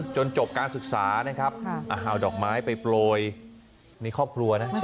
จบการศึกษานะครับเอาดอกไม้ไปโปรยในครอบครัวนะ